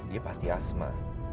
dia pasti asma